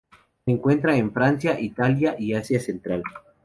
Se encuentra en Francia, Italia y Asia central.